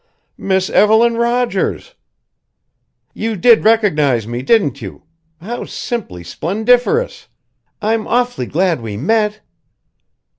"Miss Evelyn Rogers!" "You did recognize me, didn't you? How simply splendiferous! I'm awfully glad we met!"